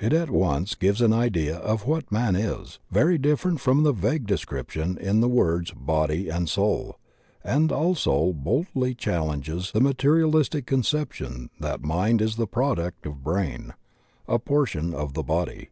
It at once gives an idea of what man is, very different from the vague description in the words, "body and soul," and also boldly challenges the materialistic conception that mind is the product of brain, a portion of the body.